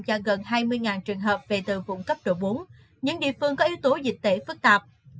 cho gần hai mươi trường hợp về từ vùng cấp độ bốn những địa phương có yếu tố dịch tễ phức tạp